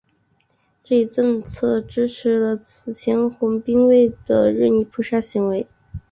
这一政策支持了此前红卫兵的任意扑杀行为。